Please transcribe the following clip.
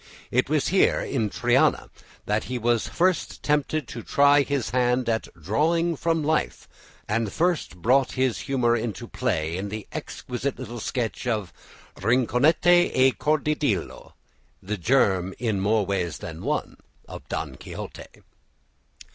It was there, in Triana, that he was first tempted to try his hand at drawing from life, and first brought his humour into play in the exquisite little sketch of "Rinconete y Cortadillo," the germ, in more ways than one, of "Don Quixote."